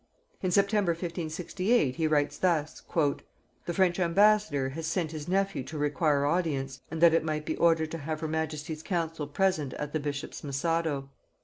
In September 1568 he writes thus: "The French ambassador has sent his nephew to require audience, and that it might be ordered to have her majesty's council present at the bishop's missado.